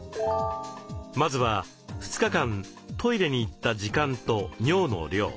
まずは２日間トイレに行った時間と尿の量。